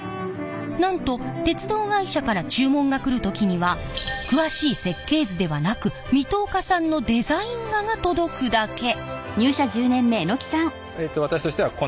なんと鉄道会社から注文が来る時には詳しい設計図ではなく水戸岡さんのデザイン画が届くだけ。